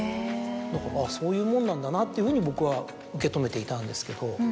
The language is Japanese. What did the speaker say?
だからあっそういうもんなんだなっていうふうに僕は受け止めていたんですけど。